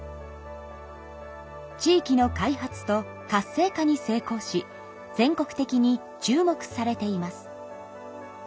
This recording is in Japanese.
地域の開発と活性化に成功し全国的に注目されています。